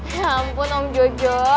ya ampun om jojo